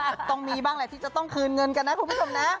ต้องมีบ้างแหละที่จะต้องคืนเงินกันนะคุณผู้ชมนะ